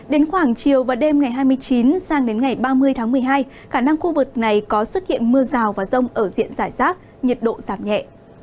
đến khoảng chiều và đêm ngày hai mươi chín sang đến ngày ba mươi tháng một mươi hai khả năng khu vực này có xuất hiện mưa rào và rông ở diện giải rác nhiệt độ giảm nhẹ